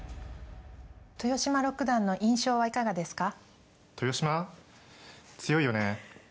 豊島六段の印象はいかがですか？